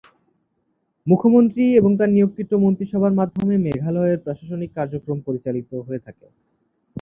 মুখ্যমন্ত্রী এবং তার নিয়োগকৃত মন্ত্রিসভার মাধ্যমে মেঘালয়ের প্রশাসনিক কার্যক্রম পরিচালিত হয়ে থাকে।